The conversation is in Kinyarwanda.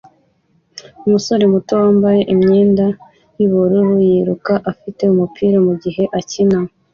Umusore muto wambaye imyenda yubururu yiruka afite umupira mugihe akina